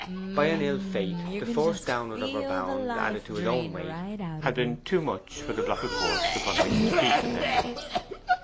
By an ill fate, the force downwards of her bound, added to his own weight, had been too much for the block of quartz upon which his feet depended.